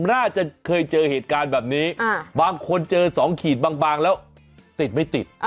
น่าจะเคยเจอเหตุการณ์แบบนี้บางคนเจอ๒ขีดบางแล้วติดไม่ติด